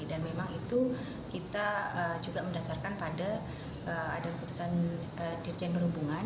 dan memang itu kita juga mendasarkan pada ada keputusan dirjen berhubungan